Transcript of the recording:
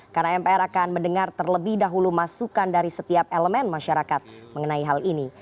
karena mpr akan mendengar terlebih dahulu masukan dari setiap elemen masyarakat mengenai hal ini